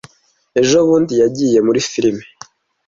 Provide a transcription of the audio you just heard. Ejo bundi yagiye muri firime.